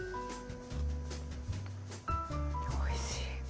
おいしい！